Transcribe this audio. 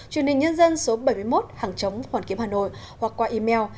truyền hình nhân dân số bảy mươi một hàng chống hoàn kiếm hà nội hoặc qua email